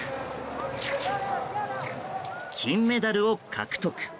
金メダルを獲得。